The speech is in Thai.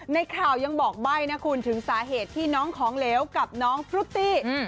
ในข่าวยังบอกใบ้นะคุณถึงสาเหตุที่น้องของเหลวกับน้องฟรุตตี้